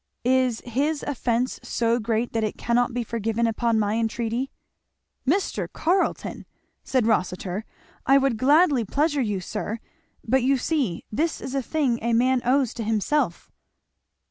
"Is his offence so great that it cannot be forgiven upon my entreaty?" "Mr. Carleton!" said Rossitur, "I would gladly pleasure you, sir, but you see, this is a thing a man owes to himself."